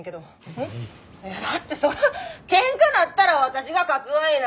えっ？だってそりゃあ喧嘩なったら私が勝つわいな。